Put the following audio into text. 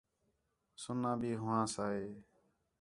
سُنّا بھی ہوآں ساں ہِے